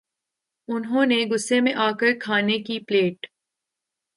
انھوں نے غصے میں آ کر کھانے کی پلیٹ